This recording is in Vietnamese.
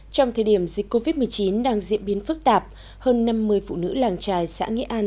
trong thời điểm dịch covid một mươi chín đang diễn biến phức tạp hơn năm mươi phụ nữ làng trài xã nghĩa an